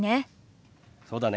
そうだね。